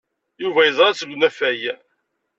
Yuba yeẓra-tt deg unafag.